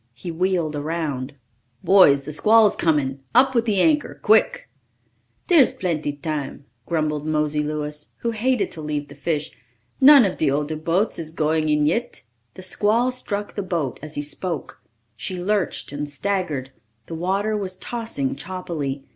He wheeled around. "Boys, the squall's coming! Up with the anchor quick!" "Dere's plenty tam," grumbled Mosey Louis, who hated to leave the fish. "None of de oder boats is goin' in yit." The squall struck the boat as he spoke. She lurched and staggered. The water was tossing choppily.